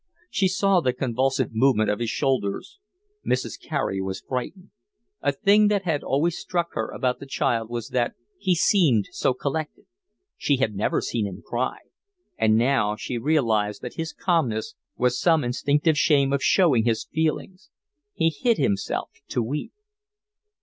She saw the convulsive movement of his shoulders. Mrs. Carey was frightened. A thing that had always struck her about the child was that he seemed so collected. She had never seen him cry. And now she realised that his calmness was some instinctive shame of showing his feelings: he hid himself to weep.